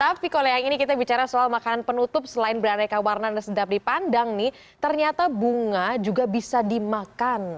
tapi kalau yang ini kita bicara soal makanan penutup selain beraneka warna dan sedap dipandang nih ternyata bunga juga bisa dimakan